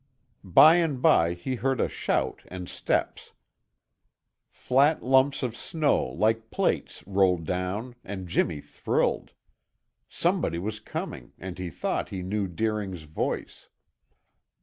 By and by he heard a shout and steps. Flat lumps of snow like plates rolled down and Jimmy thrilled. Somebody was coming and he thought he knew Deering's voice.